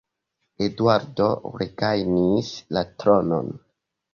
Eduardo regajnis la tronon.